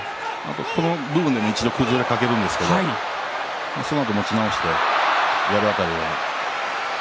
この部分でも一度崩れかけるんですがそのあと持ち直してやる辺りが。